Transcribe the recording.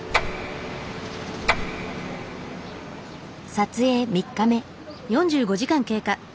撮影３日目。